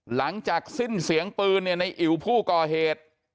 หลังจากสิ้นเสียงปืนเนี่ยในอิ๋วผู้ก่อเหตุ